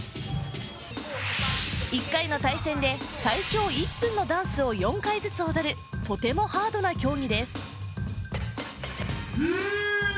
１回の対戦で最長１分のダンスを４回ずつ踊るとてもハードな競技です